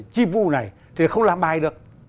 chi vu này thì không làm bài được